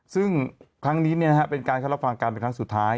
ซึ่งครั้งนี้เป็นการเลือกฟังการมาครั้งสุดท้าย